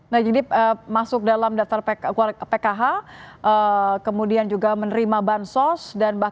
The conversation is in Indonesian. nah jadi masuk dalam daftar pkh kemudian juga menerima bansos